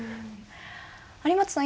有松さん